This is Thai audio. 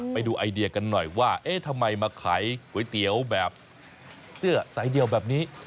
ไปดูไอเดียกันหน่อยว่าเอ๊ะทำไมมาขายก๋วยเตี๋ยวแบบเสื้อสายเดียวแบบนี้